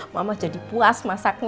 mama jadi puas masaknya